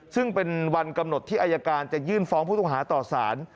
ซึ่งเป็นวันกำหนดที่อายการจะยื่นฟ้องผู้ต้องหาต่อสาร